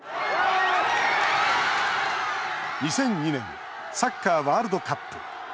２００２年サッカーワールドカップ。